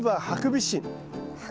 ハクビシン。